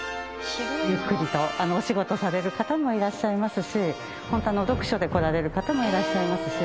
ゆっくりとお仕事される方もいらっしゃいますしホント読書で来られる方もいらっしゃいますし。